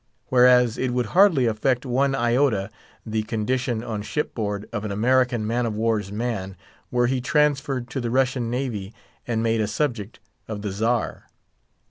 Whereas, it would hardly affect one iota the condition on shipboard of an American man of war's man, were he transferred to the Russian navy and made a subject of the Czar.